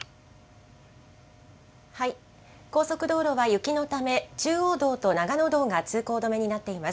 高速道路は雪のため、中央道と長野道が通行止めになっています。